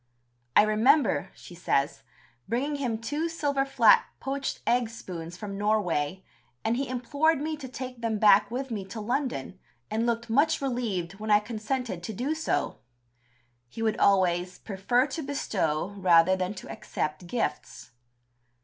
"I remember," she says, "bringing him two silver flat poached egg spoons from Norway, and he implored me to take them back with me to London, and looked much relieved when I consented to do so!" He would always "prefer to bestow rather than to accept gifts."